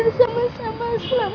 orang yang tadi siang dimakamin